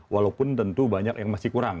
walaupun tentu banyak yang masih kurang